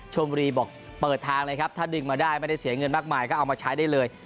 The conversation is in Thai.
ชมบุรีบอกเปิดทางเลยครับถ้าดึงมาได้ไม่ได้เสียเงินมากมายก็เอามาใช้ได้เลย